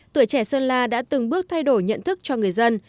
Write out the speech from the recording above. tuổi trẻ sơn la đã từng bước thay đổi nhận thức cho người dân